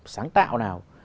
sáng tạo nào